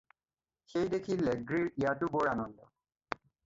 সেই দেখি লেগ্ৰীৰ ইয়াতো বৰ আনন্দ।